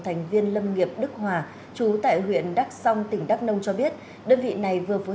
thành viên lâm nghiệp đức hòa trú tại huyện đắc song tỉnh đắc nông cho biết đơn vị này vừa phối